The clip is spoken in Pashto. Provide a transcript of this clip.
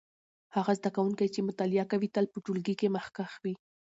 هغه زده کوونکی چې مطالعه کوي تل په ټولګي کې مخکښ وي.